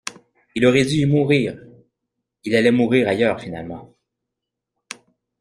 Il aurait dû y mourir, il allait mourir ailleurs finalement.